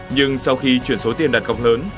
nhưng sau khi chuyển số tiền đặt góc lớn